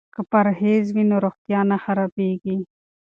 که پرهیز وي نو روغتیا نه خرابیږي.